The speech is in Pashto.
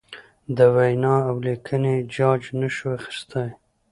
د وینا اولیکنې جاج نشو اخستی.